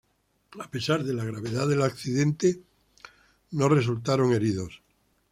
A pesar de la gravedad del accidente, no resultaron heridos.